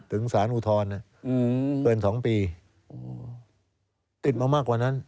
ถึงสารอุทธรณ์เกิน๒ปีติดมามากกว่านั้น